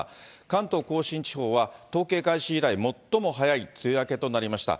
関東甲信地方は統計開始以来、最も早い梅雨明けとなりました。